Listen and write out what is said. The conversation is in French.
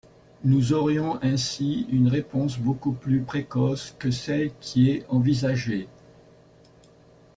Nous aurions ainsi une réponse beaucoup plus précoce que celle qui est envisagée.